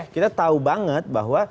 kita tahu banget bahwa